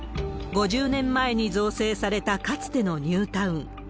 ５０年前に造成されたかつてのニュータウン。